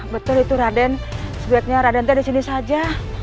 betul itu raden sebaiknya raden tidak disini saja